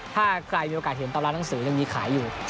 ถ้าใครมีโอกาสเห็นตอนร้านหนังสือยังมีขายอยู่